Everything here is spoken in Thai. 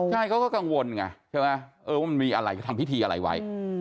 ใช่เขาก็กังวลไงใช่ไหมว่ามันมีอะไรก็ทำพิธีอะไรไว้